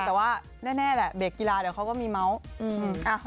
แต่ว่าแน่แหละเบรกกีฬาเดี๋ยวเขาก็มีเมาส์